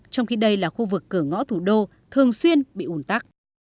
trong khi đây là khu vực cửa ngõ thủ đô thường xuyên bị ủn tắc